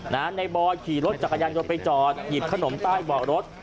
นายบอยขี่รถจักรยานยนต์ไปจอดหยิบขนมใต้เบาะรถ